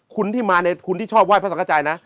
คุณที่มาในคุณที่ชอบไห้พระสังฆใจนะ